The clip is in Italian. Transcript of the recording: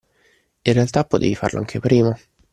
In realtà potevi farlo anche prima